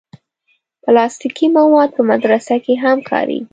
پلاستيکي مواد په مدرسه کې هم کارېږي.